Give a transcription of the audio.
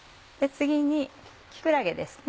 次に木くらげです。